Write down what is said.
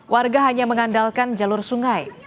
warga hanya mengandalkan jalur sungai